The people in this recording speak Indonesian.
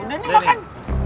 udah nih makan